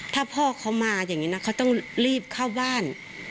ถ้าพ่อเขามาอย่างนี้นะเขาต้องรีบเข้าบ้าน